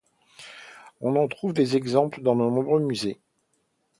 On en trouve des exemples dans de nombreux musées.